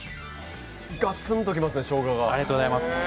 ガツンときますね、しょうがが。